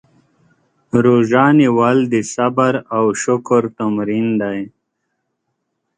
روژه نیول د صبر او شکر تمرین دی.